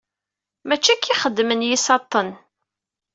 Mačči akka ixeddmen yisaṭṭen.